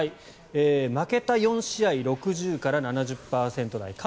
負けた４試合６０から７０％台。